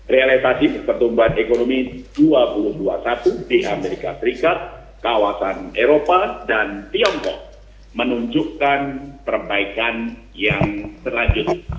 realisasi pertumbuhan ekonomi dua ribu dua puluh satu di amerika serikat kawasan eropa dan tiongkok menunjukkan perbaikan yang berlanjut